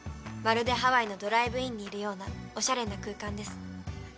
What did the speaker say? まるでハワイのドライブインにいるようなおしゃれな空間です。